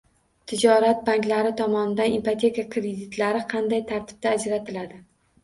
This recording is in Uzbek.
Tijorat banklari tomonidan ipoteka kreditlari qanday tartibda ajratiladi?